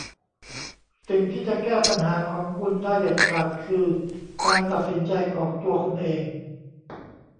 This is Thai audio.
สิ่งที่จะแก้ปัญหาของคุณได้เด็ดขาดคือการตัดสินใจของตัวคุณเอง